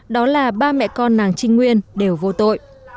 đó là ba mẹ con nàng trinh nguyên đều vô tội